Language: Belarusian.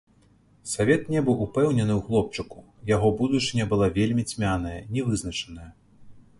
Савет не быў упэўнены ў хлопчыку, яго будучыня была вельмі цьмяная, не вызначаная.